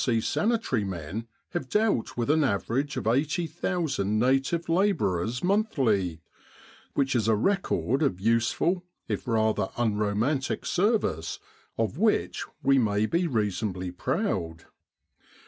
C Sani tary men have dealt with an average of 80,000 native labourers monthly, which is a record of useful, if rather unromantic service of which we may reasonably be proud.